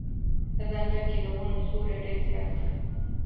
په ځنګل کې د ونو سیوری ډېر زیات دی.